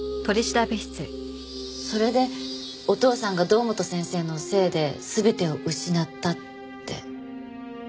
それでお父さんが堂本先生のせいで全てを失ったって。